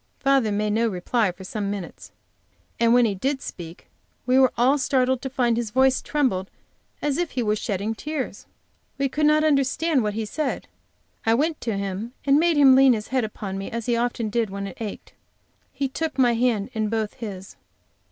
Father made no reply for some minutes, and when he did speak we were all startled to find that his voice trembled as if he were shedding tears. We could not understand what he said. I went to him and made him lean his head upon me as he often did when it ached. He took my hand in both his.